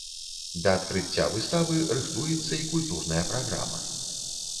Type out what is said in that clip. Да адкрыцця выставы рыхтуецца і культурная праграма.